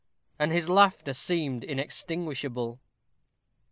And his laughter seemed inextinguishable.